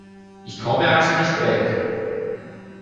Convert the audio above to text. Ich komme also nicht weg!